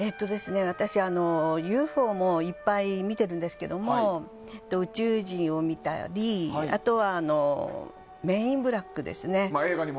私はＵＦＯもいっぱい見てるんですけど宇宙人を見たり、あとはメン・イン・ブラックですね。